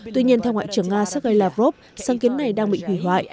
tuy nhiên theo ngoại trưởng nga sergei lavrov sáng kiến này đang bị hủy hoại